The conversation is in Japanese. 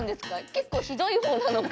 結構ひどい方なのか。